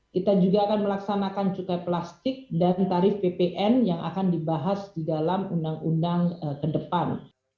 kita juga akan melaksanakan cukai plastik dan tarif ppn yang akan dibahas di dalam undang undang ke depan